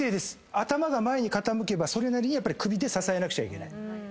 頭が前に傾けばそれなりに首で支えなくちゃいけない。